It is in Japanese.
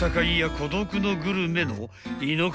『孤独のグルメ』の井之頭